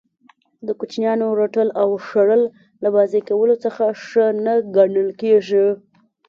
د کوچنیانو رټل او شړل له بازئ کولو څخه ښه نه ګڼل کیږي.